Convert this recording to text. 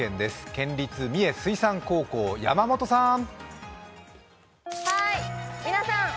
県立三重水産高校、山本さん。